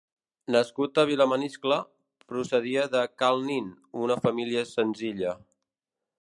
Nascut a Vilamaniscle, procedia de Cal Nin, una família senzilla.